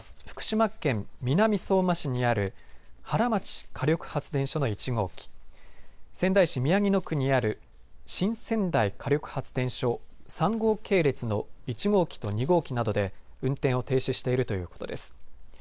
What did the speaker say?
福島県南相馬市にある原町火力発電所の１号機、仙台市宮城野区にある新仙台火力発電所３号系列の１号機と２号機などで運転を停止しているということです。